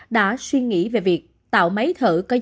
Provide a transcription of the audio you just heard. đã suy nghĩ về việc tạo máy thở